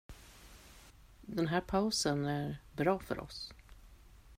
Den här pausen är bra för oss.